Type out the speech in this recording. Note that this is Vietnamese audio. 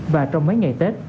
và trong mấy ngày tết